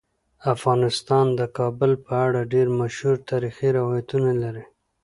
افغانستان د کابل په اړه ډیر مشهور تاریخی روایتونه لري.